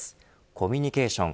コミュニケーション。